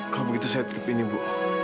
kalau begitu saya titip ini bu